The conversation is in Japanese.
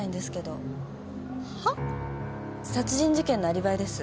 殺人事件のアリバイです。